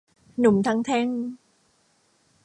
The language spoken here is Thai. หนุ่มทั้งแท่ง